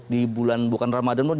di bulan bukan ramadhan pun